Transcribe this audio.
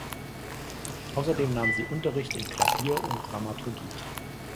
Außerdem nahm sie Unterricht in Klavier und Dramaturgie.